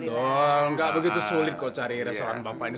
tung ga begitu sulit kok cari restoran bapak ini